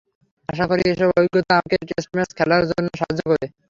আশা করি, এসব অভিজ্ঞতা আমাকে টেস্ট ম্যাচ খেলার জন্য সাহায্য করবে।